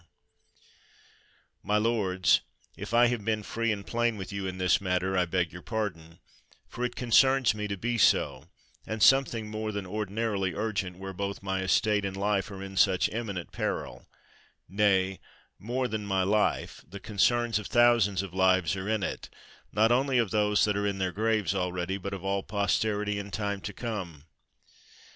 140 VANE My lords, if I have been free and plain with you in this matter, I beg your pardon; for it concerns me to be so, and something more than ordinarily urgent, where both my estate and life are in such eminent peril ; nay, more than my life, the concerns of thousands of lives are in it, not only of those that are in their graves already, but of all posterity in time to come.